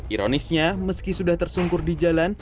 ironisnya meski sudah tersungkur di jalan